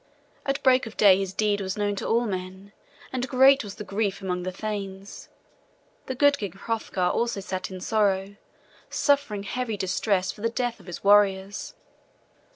At break of day his deed was known to all men, and great was the grief among the thanes. The good King Hrothgar also sat in sorrow, suffering heavy distress for the death of his warriors.